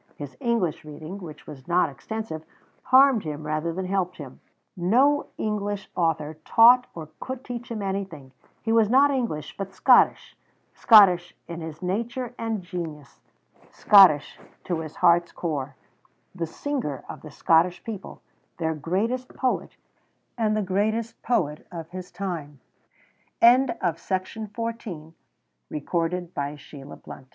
His English reading, which was not extensive, harmed him rather than helped him. No English author taught or could teach him anything. He was not English, but Scottish, Scottish in his nature and genius, Scottish to his heart's core, the singer of the Scottish people, their greatest poet, and the greatest poet of his tim